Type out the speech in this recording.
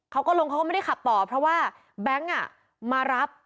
เขาก็ลงเขาก็ไม่ได้ขับต่อเพราะว่าแบงค์มารับ